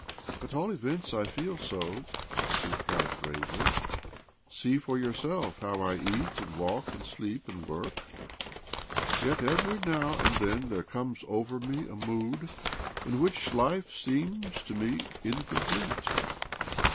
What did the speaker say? " At all events I feel so," she replied gravely. " See for yourself htiw I eat and walk and sleep and work I Yet every now and then there comes over me a mood in which life seems to me incomplete.